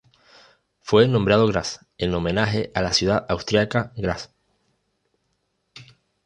Fue nombrado Graz en homenaje a la ciudad austríaca Graz.